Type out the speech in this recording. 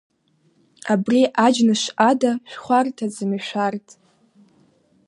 Абри Аџьныш ида шәхәарҭаӡами шәарҭ?